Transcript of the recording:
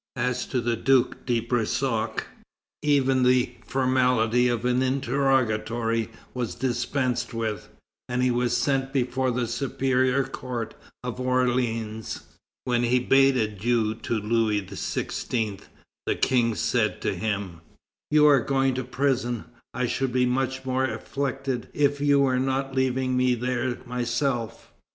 As to the Duke de Brissac, even the formality of an interrogatory was dispensed with, and he was sent before the Superior Court of Orleans. When he bade adieu to Louis XVI., the King said to him: "You are going to prison; I should be much more afflicted if you were not leaving me there myself."